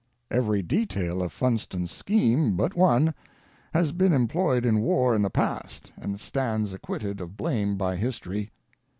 Every detail of Funston's scheme — but one — has been employed in war in the past and stands ac quitted of blame by history.